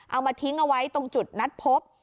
เอามาทิ้งเอาไว้ตรงจุดนัดพบ